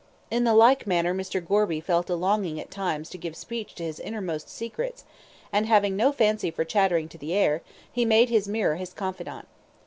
In the like manner Mr. Gorby felt a longing at times to give speech to his innermost secrets; and having no fancy for chattering to the air, he made his mirror his confidant.